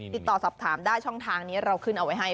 ติดต่อสอบถามได้ช่องทางนี้เราขึ้นเอาไว้ให้